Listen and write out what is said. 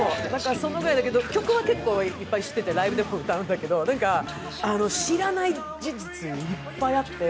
曲は結構、いっぱい知っててライブでも歌うんだけど知らない事実がいっぱいあって。